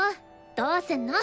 どうすんの？